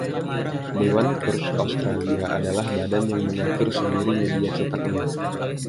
Dewan Pers Australia adalah badan yang mengatur sendiri media cetaknya.